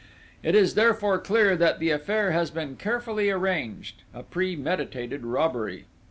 It is, therefore, clear that the affair has been carefully arranged: a premeditated robbery.